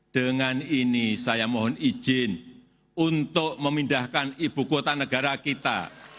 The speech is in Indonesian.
dengan ini saya mohon izin untuk memindahkan ibu kota negara kita